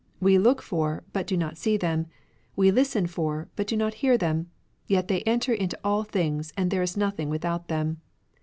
We look for, but do not see them ; we listen for, but do not hear them ; yet they enter into all things, and there is nothing without them.